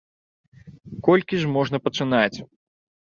Колькі ж можна пачынаць?!